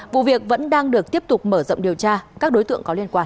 vụ việc vẫn đang được tiếp tục mở rộng điều tra các đối tượng có liên quan